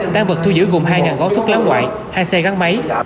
tăng vật thu giữ gồm hai gói thuốc lá ngoại hai xe gắn máy